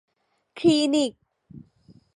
คลินิก